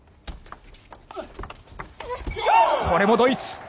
これもドイツ。